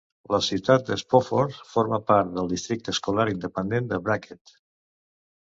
La ciutat de Spofford forma part del districte escolar independent de Brackett.